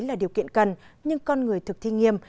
là điều kiện cần nhưng con người thực thi nghiêm